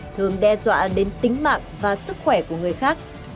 thường đe dọa đến tính mạng và sức khỏe của người khác